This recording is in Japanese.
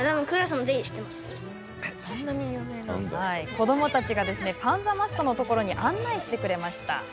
子どもたちがパンザマストのところに案内してくれました。